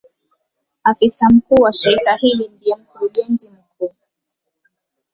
Afisa mkuu wa shirika hili ndiye Mkurugenzi mkuu.